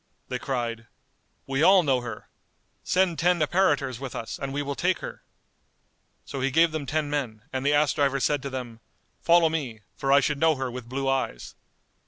They cried, "We all know her: send ten apparitors with us, and we will take her." So he gave them ten men, and the ass driver said to them, "Follow me, for I should know her with blue eyes."